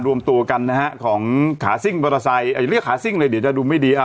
รวมตัวกันนะฮะของขาซิ่งมอเตอร์ไซค์เรียกขาซิ่งเลยเดี๋ยวจะดูไม่ดีอ่ะ